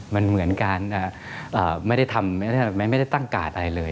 มันเหมือนการไม่ได้ตั้งการอะไรเลย